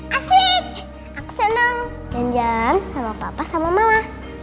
asik aku seneng jalan jalan sama papa sama mama